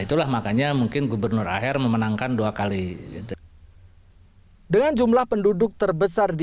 itulah makanya mungkin gubernur akhir memenangkan dua kali gitu dengan jumlah penduduk terbesar di